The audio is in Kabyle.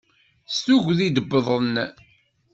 S tuggdi id-wwḍen.